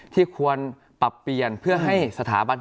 ควรปรับเปลี่ยนเพื่อให้สถาบัน